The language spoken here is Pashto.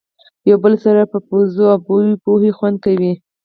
یو بل سره په پوزو او بوی پوهوي خوند کوي.